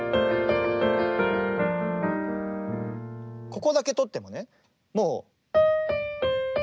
ここだけ取ってもねもう。